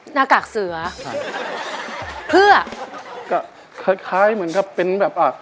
หน้ากากเสือใช่เพื่อก็คล้ายเหมือนครับเป็นแบบอ่ะ